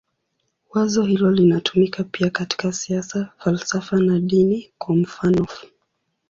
Wazo hilo linatumika pia katika siasa, falsafa na dini, kwa mfanof.